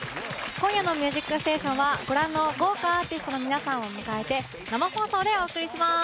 今夜の「ミュージックステーション」はご覧の豪華アーティストの皆さんを迎えて生放送でお送りします。